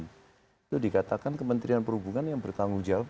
itu dikatakan kementerian perhubungan yang bertanggung jawab